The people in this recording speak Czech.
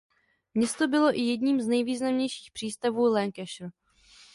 Město bylo i jedním z nejvýznamnějších přístavů Lancashire.